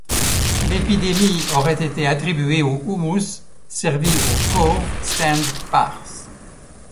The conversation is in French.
L'épidémie aurait été attribuée au houmous servi au Cove Stand Pars.